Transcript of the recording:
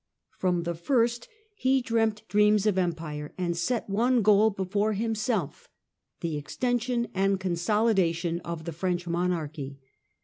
From the first he dreamt dreams of Empire, and set one goal before himself, the extension and consolidation of the French monarchy.